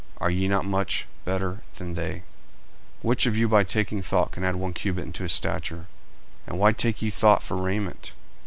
Are ye not much better than they? 40:006:027 Which of you by taking thought can add one cubit unto his stature? 40:006:028 And why take ye thought for raiment?